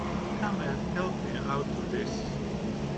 Come and help me out of this!’